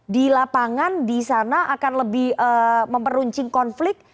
di lapangan di sana akan lebih memperuncing konflik